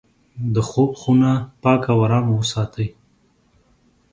د خوب خونه پاکه او ارامه وساتئ.